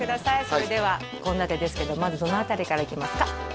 それでは献立ですけどまずどの辺りからいきますか？